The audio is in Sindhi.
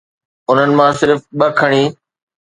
انهن مان صرف ٻه کٽي